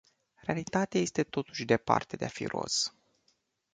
Realitatea este totuși departe de a fi roz.